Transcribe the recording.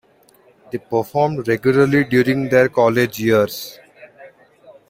They performed regularly during their college years.